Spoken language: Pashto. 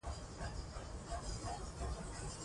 د واک تمرکز اکثره وخت ستونزې او شخړې زیږوي